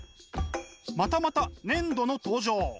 またまた粘土の登場。